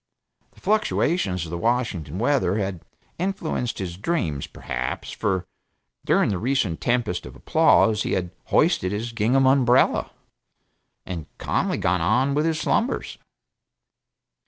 The fluctuations of the Washington weather had influenced his dreams, perhaps, for during the recent tempest of applause he had hoisted his gingham umbrella, and calmly gone on with his slumbers.